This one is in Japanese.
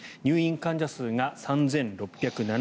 入院患者数が３６７１人。